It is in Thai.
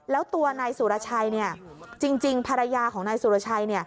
แล้วตัวนายสุรชัยจริงภรรยาของนายสุรชัย